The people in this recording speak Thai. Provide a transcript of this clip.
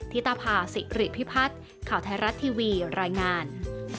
ิตภาษิริพิพัฒน์ข่าวไทยรัฐทีวีรายงาน